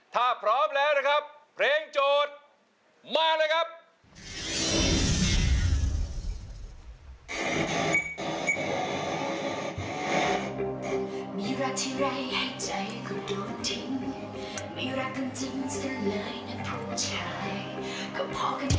ถ้าพร้อมแล้วนะครับเพลงโจทย์มาเลยครับ